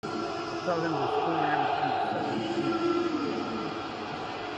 I’ve taught him to scorn everything as silly and weak.